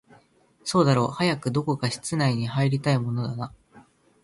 そうだろう、早くどこか室の中に入りたいもんだな